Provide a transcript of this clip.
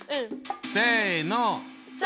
せの！